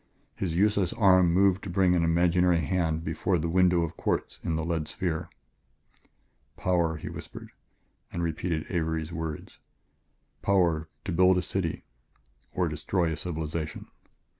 His useless arm moved to bring an imaginary hand before the window of quartz in the lead sphere. "Power," he whispered and repeated Avery's words; "power, to build a city or destroy a civilization ...